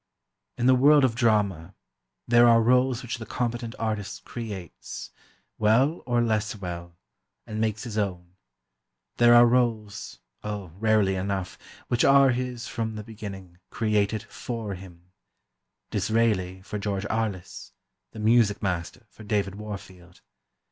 In the world of drama, there are rôles which the competent artist "creates"—well, or less well—and makes his own; there are rôles—oh, rarely enough—which are his from the beginning, created for him: "Disraeli," for George Arliss—"The Music Master," for David Warfield.